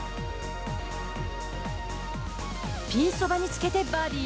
ピンそばにつけてバーディー。